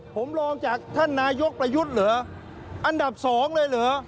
ผมลองจากท่านนายกประยุทธ์เหรออันดับสองเลยเหรอ